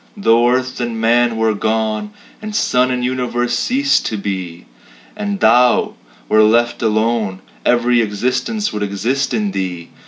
Though earth and man were gone, And suns and universes ceased to be, And Thou were left alone, Every existence would exist in Thee.